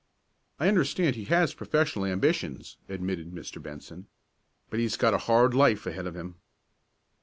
"I understand he has professional ambitions," admitted Mr. Benson. "But he's got a hard life ahead of him."